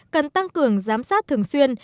cần tăng cường giám sát thường xuyên